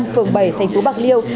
phường bảy thành phố bạc liêu